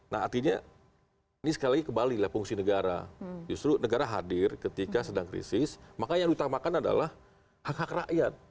nah artinya ini sekali lagi kembali lah fungsi negara justru negara hadir ketika sedang krisis maka yang diutamakan adalah hak hak rakyat